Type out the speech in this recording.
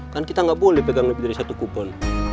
kan kita nggak boleh pegang lebih dari satu kupon